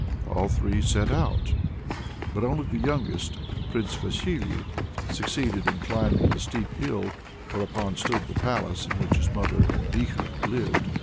All three set out, but only the youngest, Prince Vasily, succeeded in climbing the steep hill, whereon stood the palace in which his mother and Vikhor lived.